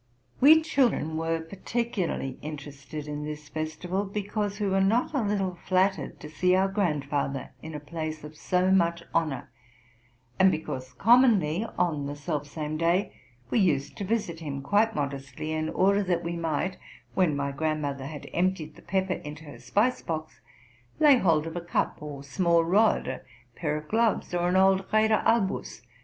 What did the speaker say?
We children were particularly interested in this festival, because we were not a little flattered to see our grandfather in a place of so much honor; and because commonly, on the self same day, we used to visit him, quite modestly, in order that we might, when my grandmother had emptied the pep per into her spice box, lay hold of a cup or small rod, a pair of gloves, or an old Rader Albus.!